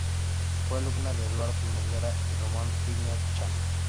Fue alumna de Eduardo Noguera y Román Piña Chan.